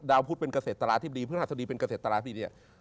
ดาวพุทธเป็นเกษตรตราที่ดีพิธรรมศาสตรีเป็นเกษตรตราที่ดี